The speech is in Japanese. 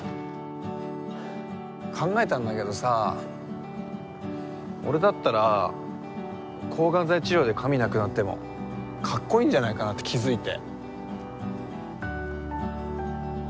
考えたんだけどさ俺だったら抗がん剤治療で髪なくなってもかっこいいんじゃないかなって気付いて。